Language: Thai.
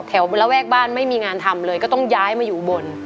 ระแวกบ้านไม่มีงานทำเลยก็ต้องย้ายมาอยู่อุบล